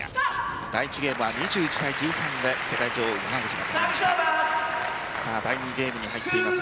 第１ゲームは２１対１３で世界女王・山口が勝ちました。